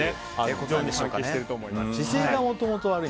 骨盤に関係していると思います。